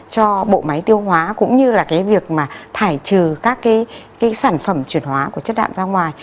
cho bộ máy tiêu hóa cũng như là cái việc mà thải trừ các cái sản phẩm chuyển hóa của chất đạm ra ngoài